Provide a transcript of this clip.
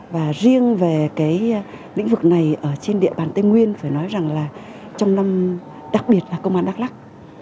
và riêng về lĩnh vực này trên địa bàn tây nguyên đặc biệt là công an đắk lắc